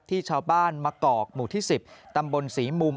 ที่ชาวบ้านมะกอกหมู่ที่๑๐ตำบลศรีมุม